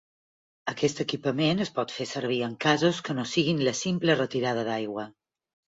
Aquest equipament es pot fer servir en casos que no siguin la simple retirada d'aigua.